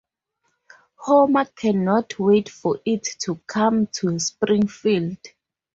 Homer cannot wait for it to come to Springfield.